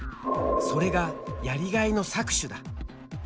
それがやりがいの搾取だ。